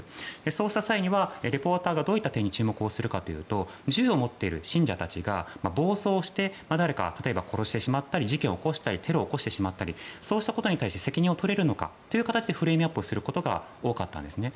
そうした際にはどういった点に注目するかというと銃を持っている信者たちが暴走して誰か殺してしまったり事件を起こしたりテロを起こしてしまったりそうしたことに対して責任を取れるのかということでクリーンアップをすることが多かったんですね。